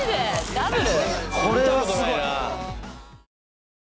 ダブル？